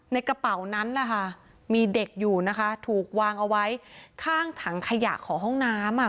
ในกระเป๋านั้นล่ะค่ะมีเด็กอยู่นะคะถูกวางเอาไว้ข้างถังขยะของห้องน้ำอ่ะ